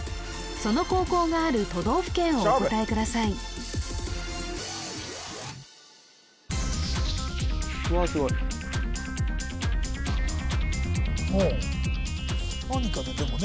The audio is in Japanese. その高校がある都道府県をお答えください・わあすごい何かででもね